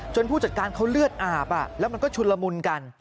ผู้จัดการเขาเลือดอาบแล้วมันก็ชุนละมุนกัน